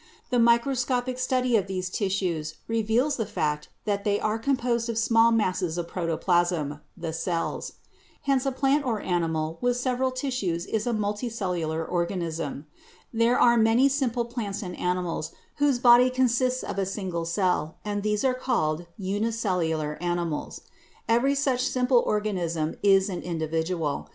The microscopic study of these tissues reveals the fact that they are composed of small masses of protoplasm —■ the cells. Hence a plant or animal with several tissues is a multicellular organism. There are many simple plants and animals whose body consists of a single cell and these are called unicellular animals. Every such simple organism is an individual.